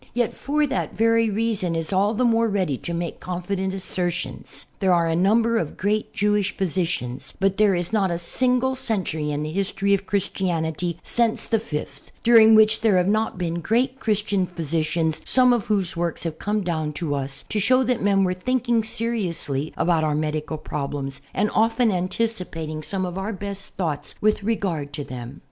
yet for that very reason is all the more ready to make confident assertions. There are a number of great Jewish physicians, but there is not a single century in the history of Christianity since the fifth during which there have not been great Christian physicians, some of whose works have come down to us to show us that men were thinking seriously about our medical prol)lems and often anticipating some of our best thoughts with regard to them.